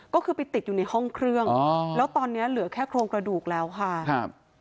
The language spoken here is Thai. ก็คือไปติดอยู่ในห้องเครื่องอ๋อแล้วตอนนี้เหลือแค่โครงกระดูกแล้วค่ะครับ